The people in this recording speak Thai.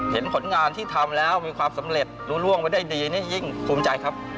ผลงานที่ทำแล้วมีความสำเร็จรู้ล่วงไปได้ดีนี่ยิ่งภูมิใจครับ